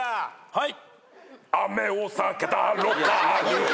はい。